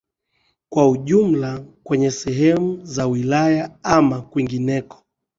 kwa ujumla kwenye sehemu za wilaya ama kwingineko